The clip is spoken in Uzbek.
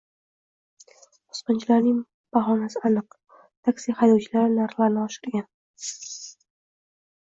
Bosqinchilarning bahonasi aniq - taksi haydovchilari narxlarni oshirgan